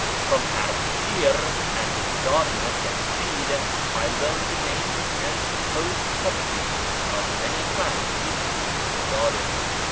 From Ardashir and his ;ardener, Jamshid, I learned the names and supposed properties f many plants which grew in the garden.